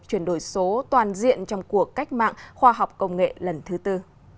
chuyển đổi số toàn diện trong cuộc cách mạng khoa học công nghệ lần thứ tư